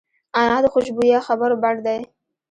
انا د خوشبویه خبرو بڼ دی